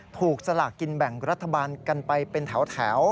สลากกินแบ่งรัฐบาลกันไปเป็นแถว